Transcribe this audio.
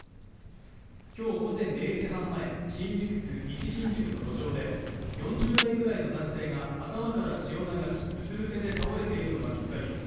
今日午前０時半前新宿区西新宿の路上で４０代くらいの男性が頭から血を流しうつぶせで倒れているのが見つかり